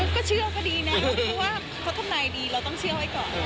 ก็เชื่อก็ดีนะเพราะว่าเขาทำนายดีเราต้องเชื่อไว้ก่อน